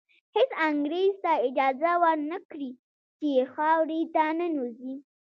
هېڅ انګریز ته اجازه ور نه کړي چې خاورې ته ننوځي.